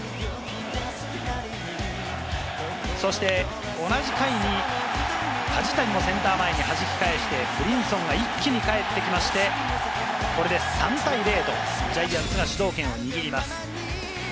そして同じ回に梶谷もセンター前にはじき返して、ブリンソンが一気にかえってきまして、これで３対０とジャイアンツが主導権を握ります。